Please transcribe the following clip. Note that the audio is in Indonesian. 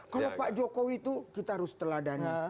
kalau pak jokowi itu kita harus teladani